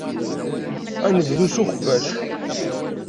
Ad nebdu s uxbac.